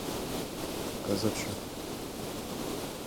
Кызытше...